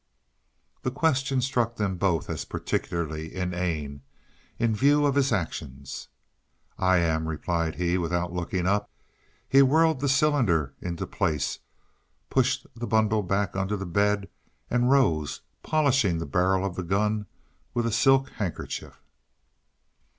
The question struck them both as particularly inane, in view of his actions. "I am," replied he, without looking up. He whirled the cylinder into place, pushed the bundle back under the bed and rose, polishing the barrel of the gun with a silk handkerchief.